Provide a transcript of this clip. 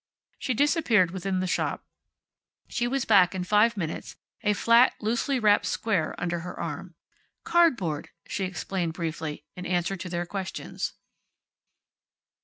She disappeared within the shop. She was back in five minutes, a flat, loosely wrapped square under her arm. "Cardboard," she explained briefly, in answer to their questions.